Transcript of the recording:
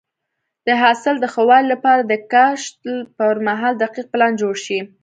د حاصل د ښه والي لپاره د کښت پر مهال دقیق پلان جوړ شي.